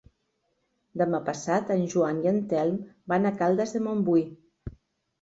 Demà passat en Joan i en Telm van a Caldes de Montbui.